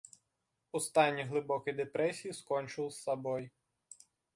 У стане глыбокай дэпрэсіі скончыў з сабой.